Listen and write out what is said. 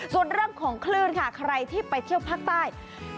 ส่วนเรื่องของคลื่นค่ะใครที่ไปเที่ยวภาคใต้